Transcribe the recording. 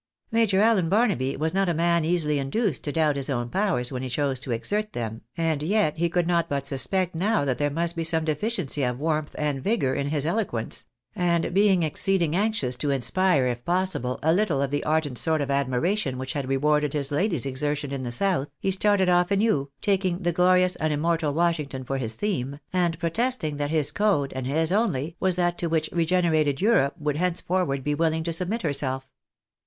Major Allen Barnaby was not a man easily induced to doubt his own powers when he chose to exert them, and yet he could not but suspect now that there must be some deficiency of warmth and vigour in his eloquence : and being exceeding anxious to inspire, if possible, a little of the ardent sort of admiration wliich had re warded his lady's exertion in the south, he started off anew, taking the glorious and immortal Washington for his theme, and protest ing that his code, and his only, was that to which regenerated Europe would henceforward be willing to submit herself.